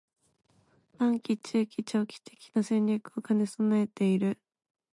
③ 短期、中期、長期的な戦略を兼ね備えている